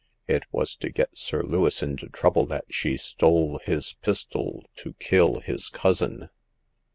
It was to get Sir Lewis into trouble that she stole his pistol to kill his cousin."